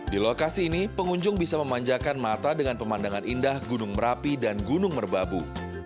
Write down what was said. di lokasi ini pengunjung bisa memanjakan mata dengan pemandangan indah gunung merapi dan gunung merbabu